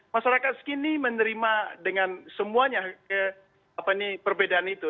masyarakat segini menerima dengan semuanya perbedaan itu